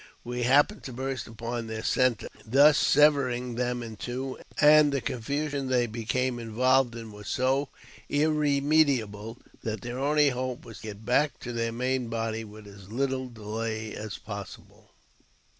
We happened to burst upon their centre, thus severing I JAMES P. BECKWOUBTH. 183 them in two, and the confusion they became involved in was so irremediable that their only hope was to get back to their main body with as little delay as possible.